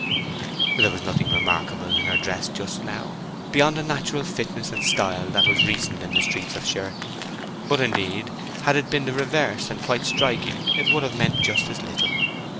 There was nothing remarkable in her dress just now, beyond a natural fitness and a style that was recent for the streets of Sherton. But, indeed, had it been the reverse, and quite striking, it would have meant just as little.